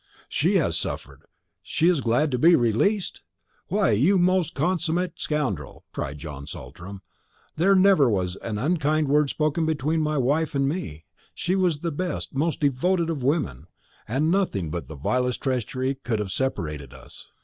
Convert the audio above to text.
"She has suffered she is glad to be released! Why, you most consummate scoundrel!" cried John Saltram, "there never was an unkind word spoken between my wife and me! She was the best, most devoted of women; and nothing but the vilest treachery could have separated us.